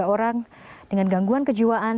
tiga puluh tiga orang dengan gangguan kejiwaan